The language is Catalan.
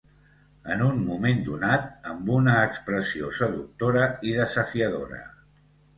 En un moment donat, amb una expressió seductora i desafiadora